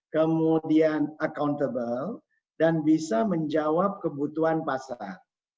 kemudian accountable dan bisa menjawab kebutuhan pasar